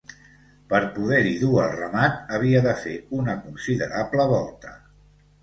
Per poder-hi dur el ramat, havia de fer una considerable volta.